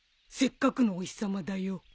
せっかくのお日さまだよ。